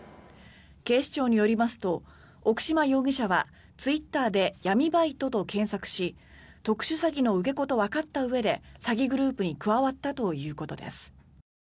警視庁によりますと奥島容疑者はツイッターで闇バイトと検索し特殊詐欺の受け子とわかったうえで詐欺グループに加わったということです。